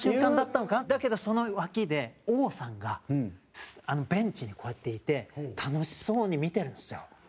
だけど、その脇で王さんがベンチに、こうやっていて楽しそうに見てるんですよ。